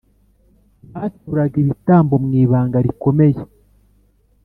baturaga ibitambo mu ibanga rikomeye